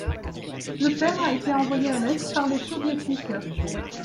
Le père a été envoyé à l'Est par les Soviétiques.